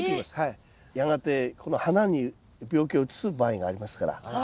やがてこの花に病気を移す場合がありますから。